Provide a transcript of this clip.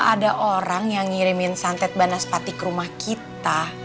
kalo ada orang yang ngirimin santet banas pati ke rumah kita